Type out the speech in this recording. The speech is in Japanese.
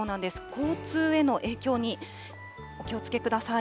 交通への影響にお気をつけください。